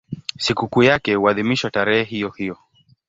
Sikukuu yake huadhimishwa tarehe hiyohiyo.